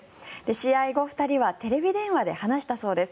試合後、２人はテレビ電話で話したそうです。